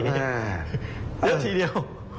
เลือกทีเดียว